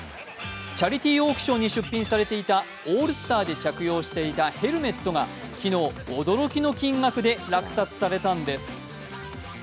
チャリティーオークションに出品されていたオールスターで着用していたヘルメットが昨日、驚きの金額で落札されたんです。